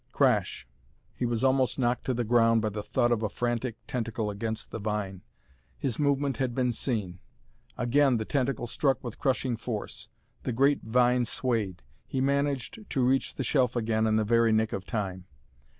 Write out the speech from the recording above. Crash! He was almost knocked to the ground by the thud of a frantic tentacle against the vine. His movement had been seen. Again the tentacle struck with crushing force. The great vine swayed. He managed to reach the shelf again in the very nick of time.